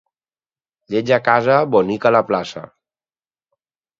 Lletja a casa, bonica a la plaça.